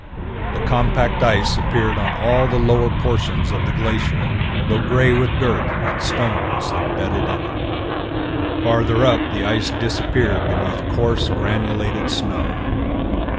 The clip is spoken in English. The compact ice appeared on all the lower portions of the glacier, though gray with dirt and stones embedded in it. Farther up the ice disappeared beneath coarse granulated snow.